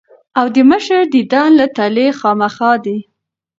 او د مشر ديدن له تلۀ خامخه دي ـ